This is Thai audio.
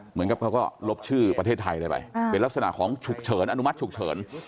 เหมือนกับเขาก็ลบชื่อประเทศไทยเลยไปเป็นลักษณะของฉุกเฉินอนุมัติฉุกเฉิน